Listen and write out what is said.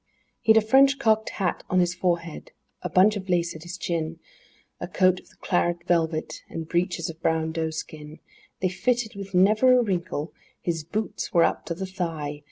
II He'd a French cocked hat on his forehead, a bunch of lace at his chin, A coat of the claret velvet, and breeches of brown doe skin; They fitted with never a wrinkle: his boots were up to the thigh!